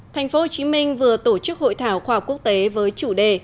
thành phố hồ chí minh vừa tổ chức hội thảo khoa học quốc tế với chủ đề